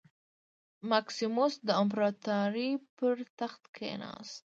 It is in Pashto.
مکسیموس د امپراتورۍ پر تخت کېناست